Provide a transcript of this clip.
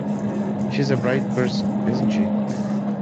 She's a bright person, isn't she?